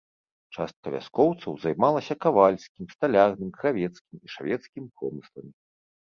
Частка вяскоўцаў займалася кавальскім, сталярным, кравецкім і шавецкім промысламі.